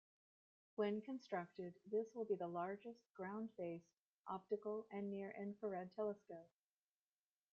When constructed this will be the largest ground-based optical and near-infrared telescope.